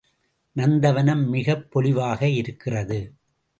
நந்தவனம் மிகப் பொலிவாக இருக்கிறது.